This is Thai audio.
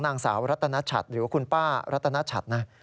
นางสาวรัตนชัดหรือว่าคุณป้ารัตนชัดนะ